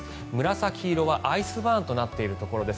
紫色はアイスバーンとなっているところです。